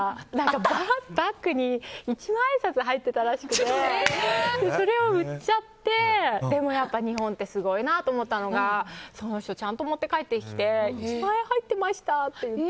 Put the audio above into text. バッグに一万円札入ってたらしくてそれを売っちゃってでもやっぱり日本はすごいなって思ったのがその人ちゃんと持って帰ってきて１万円入ってましたって。